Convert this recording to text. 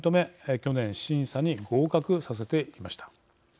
去年、審査に合格させていました。